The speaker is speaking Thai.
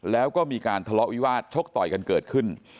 แล้วก็มีการทะเลาะวิวาสชกต่อยกันเกิดขึ้น